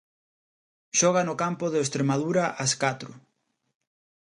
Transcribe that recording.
Xoga no campo do Estremadura ás catro.